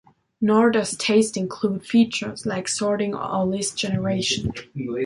Nor does Taste include features like sorting or list generation.